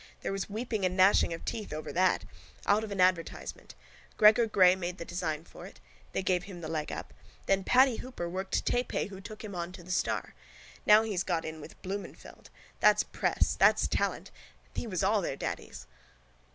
There was weeping and gnashing of teeth over that. Out of an advertisement. Gregor Grey made the design for it. That gave him the leg up. Then Paddy Hooper worked Tay Pay who took him on to the Star. Now he's got in with Blumenfeld. That's press. That's talent. Pyatt! He was all their daddies!